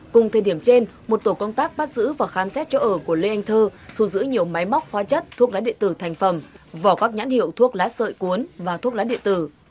cùng thời điểm trên một tổ công tác bắt giữ và khám xét chỗ ở của lê anh thơ thu giữ nhiều máy móc hoa chất thuốc lá địa tử thành phẩm vỏ các nhãn hiệu thuốc lá sợi cuốn và thuốc lá điện tử